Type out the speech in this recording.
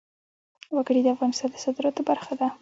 وګړي د افغانستان د صادراتو برخه ده.